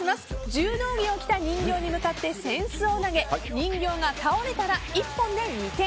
柔道着を着た人形に向かって扇子を投げ人形が倒れたら一本で２点。